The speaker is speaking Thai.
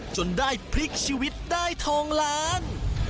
จนได้พลิกชีวิตได้ทองล้าน